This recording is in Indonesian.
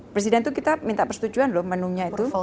presiden itu kita minta persetujuan loh menu nya itu